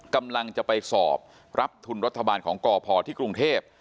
กำลังจะไปสอบรับทุนรัฐบาลของกพที่กรุงเทพ